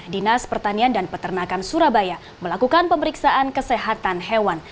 dinas pertanian dan peternakan surabaya melakukan pemeriksaan kesehatan hewan